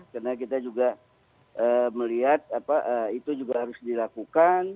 karena kita juga melihat apa itu juga harus dilakukan